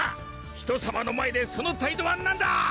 人様の前でその態度は何だ！